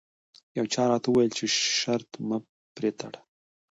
یو چا راته وویل چې شرط مه پرې تړه.